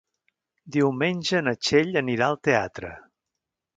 Diumenge na Txell anirà al teatre.